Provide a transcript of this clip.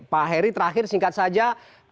pak heri terakhir singkat saja